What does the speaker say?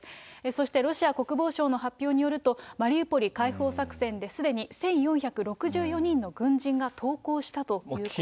そしてロシア国防省の発表によると、マリウポリ解放作戦で、すでに１４６４人の軍人が投降したということです。